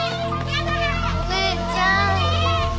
お姉ちゃん